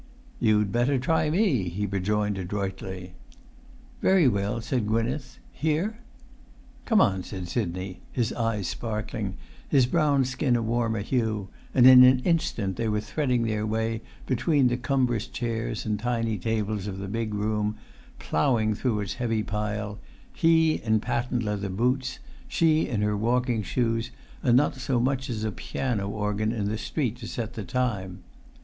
"You'd better try me," he rejoined adroitly. "Very well," said Gwynneth. "Here?" "Come on," said Sidney, his eyes sparkling, his brown skin a warmer hue; and in an instant they were threading their way between the cumbrous chairs and tiny tables of the big room, ploughing through its heavy pile, he in patent leather boots, she in her walking shoes, and not so much as a piano organ in the street to set the time.